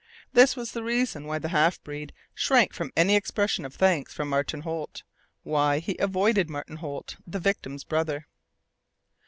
This was the reason why the half breed shrank from any expression of thanks from Martin Holt why he avoided Martin Holt, the victim's brother.